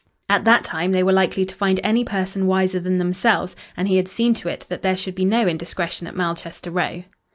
At that time they were likely to find any person wiser than themselves, and he had seen to it that there should be no indiscretion at Malchester Row.